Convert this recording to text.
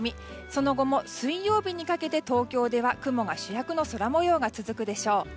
その後も水曜日にかけて東京では雲が主役の空模様が続くでしょう。